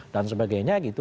dan sebagainya gitu